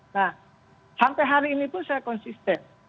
nah sampai hari ini pun saya konsisten